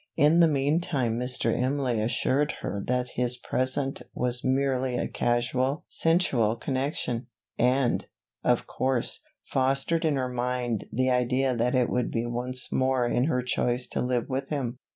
In the mean time Mr. Imlay assured her that his present was merely a casual, sensual connection; and, of course, fostered in her mind the idea that it would be once more in her choice to live with him.